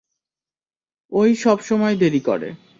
ও-ই সবসময় দেরি করে।